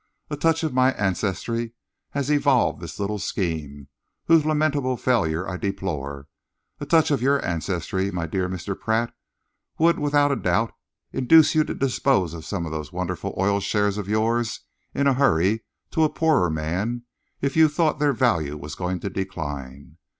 A touch of my ancestry has evolved this little scheme, whose lamentable failure I deplore. A touch of your ancestry, my dear Mr. Pratt, would without a doubt induce you to dispose of some of those wonderful oil shares of yours in a hurry to a poorer man, if you thought their value was going to decline.